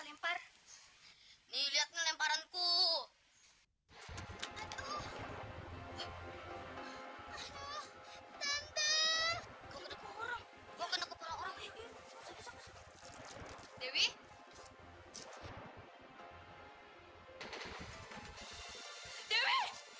lepar nih lihat lemparan ku atuh tanda orang orang dewi dewi